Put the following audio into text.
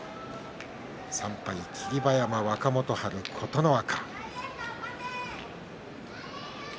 ３敗は霧馬山、若元春、琴ノ若。